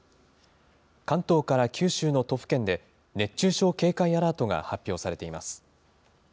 関東から九州の都府県で、熱中症警戒アラートが発表されています。